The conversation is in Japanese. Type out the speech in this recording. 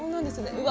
うわ